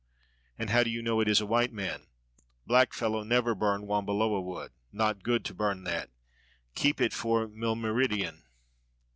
"And how do you know it is a white man?" "Black fellow never burn wambiloa wood; not good to burn that. Keep it for milmeridien."